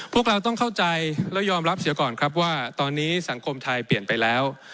พวกเราต้องเข้าใจและยอมรับเสียก่อนครับว่าตอนนี้สังคมไทยเปลี่ยนไปแล้ว